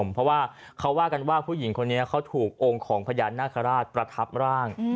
เพราะว่าเขาว่ากันว่าผู้หญิงคนนี้เขาถูกองค์ของพญานาคาราชประทับร่าง